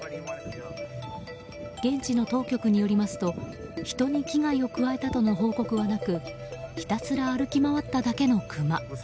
現地の当局によりますと人に危害を加えたとの報告はなくひたすら歩き回っただけのクマ。